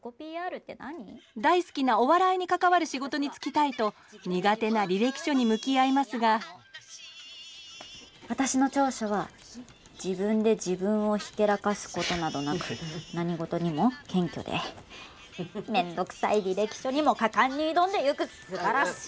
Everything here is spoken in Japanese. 大好きなお笑いに関わる仕事に就きたいと苦手な履歴書に向き合いますが私の長所は自分で自分をひけらかすことなどなく何事にも謙虚で面倒くさい履歴書にも果敢に挑んでいくすばらしい。